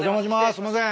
すいません。